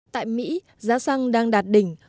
tại mỹ giá xăng đang đạt đỉnh